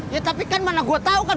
ya tapi kan mana gue tahu kan